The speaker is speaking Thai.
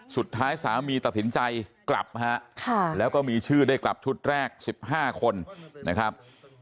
สุดท้ายสามีตัดสินใจกลับฮะแล้วก็มีชื่อได้กลับชุดแรก๑๕คนนะครับ